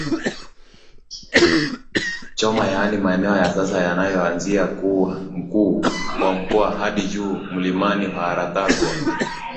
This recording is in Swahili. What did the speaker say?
Choma yaani maeneo ya sasa yanayoanzia kwa Mkuu wa Mkoa hadi juu milimaniWaharatwaga